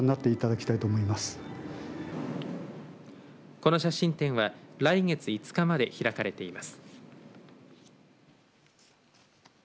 この写真展は来月５日まで開かれています。